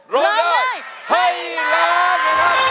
ร้อนได้ให้ร้อน